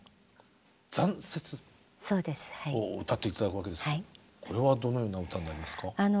「残雪」を歌って頂くわけですがこれはどのような歌になりますか？